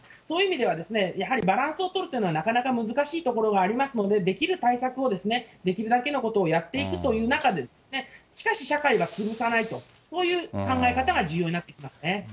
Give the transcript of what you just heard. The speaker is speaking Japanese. そういう意味では、やはりバランスを取るというのは、なかなか難しいところがありますので、できる対策を、できるだけのことをやっていくという中で、しかし社会が続かないと、そういう考え方が重要になってきますね。